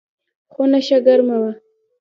خونه ښه ګرمه وه.